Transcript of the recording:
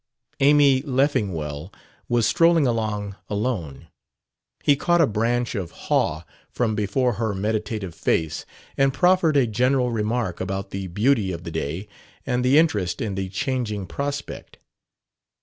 Amy Leffingwell was strolling along alone: he caught a branch of haw from before her meditative face and proffered a general remark about the beauty of the day and the interest in the changing prospect.